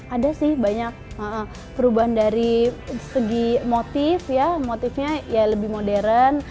ada sih banyak perubahan dari segi motif ya motifnya ya lebih modern